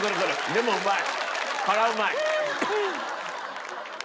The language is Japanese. でもうまい。